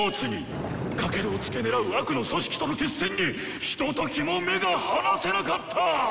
翔を付け狙う悪の組織との決戦にひとときも目が離せなかった！